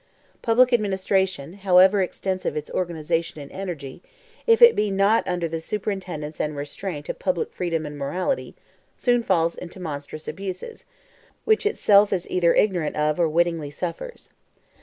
Public administration, however extensive its organization and energy, if it be not under the superintendence and restraint of public freedom and morality, soon falls into monstrous abuses, which itself is either ignorant of or wittingly suffers.